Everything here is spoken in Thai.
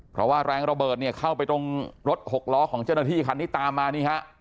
เพราะว่าแรงระเบิดเนี่ยเข้าไปตรงรถหกล้อของเจ้าหน้าที่คันนี้ตามมานี่ฮะ